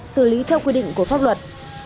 xử lý theo quy định của pháp luật